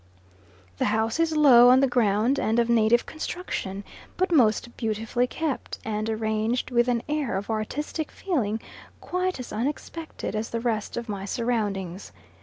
The house is low on the ground and of native construction, but most beautifully kept, and arranged with an air of artistic feeling quite as unexpected as the rest of my surroundings.